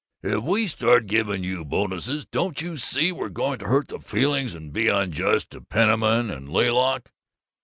If we start giving you bonuses, don't you see we're going to hurt the feeling and be unjust to Penniman and Laylock?